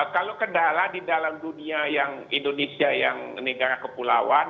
kalau kendala di dalam dunia yang indonesia yang negara kepulauan